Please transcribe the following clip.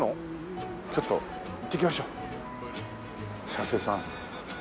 佐瀬さん。